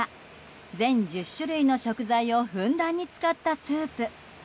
全１０種類の食材をふんだんに使ったスープ。